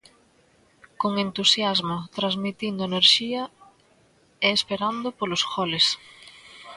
Con entusiasmo, transmitindo enerxía e esperando polo goles.